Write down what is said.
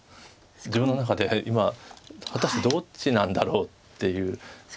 自分の中で今果たしてどっちなんだろうっていう。